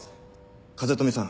風富さん